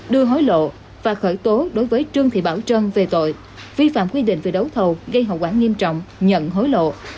đưa hối lộ và khởi tố đối với trương thị bảo trân về tội vi phạm quy định về đấu thầu gây hậu quả nghiêm trọng nhận hối lộ